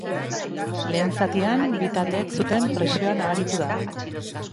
Lehen zatian bi taldeek zuten presioa nabaritu da.